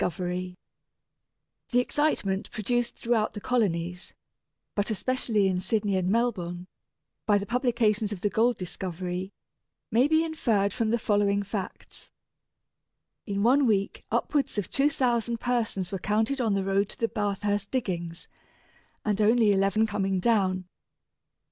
pp. 28 31 The excitement produced throughout the colonies, but especially in Sydney and Melbourne, by the publication of the gold discovery, may be inferred from the following facts: In one week upwards of 2,000 persons were counted on the road to the Bathurst diggings, and only eleven coming down.